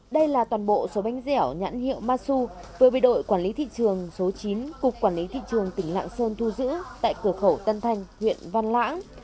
đây là toàn bộ số bánh dẻo nhãn hiệu masu vừa bị đội quản lý thị trường số chín cục quản lý thị trường tỉnh lạng sơn thu giữ tại cửa khẩu tân thanh huyện văn lãng